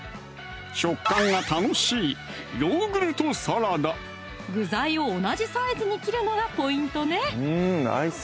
食感が楽しい具材を同じサイズに切るのがポイントね